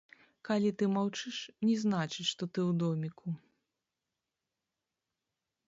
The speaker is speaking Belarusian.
Калі ты маўчыш, не значыць, што ты ў доміку.